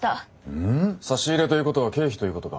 うん？差し入れということは経費ということか。